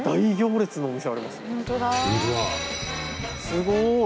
すごい！